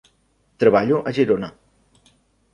Treballo a Girona.